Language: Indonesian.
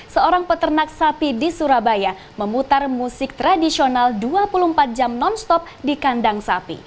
seorang peternak sapi di surabaya memutar musik tradisional dua puluh empat jam non stop di kandang sapi